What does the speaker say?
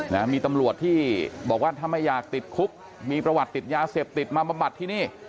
นะมีตำรวจที่บอกว่าถ้าไม่อยากติดคุกมีประวัติติดยาเสพติดมาบำบัดที่นี่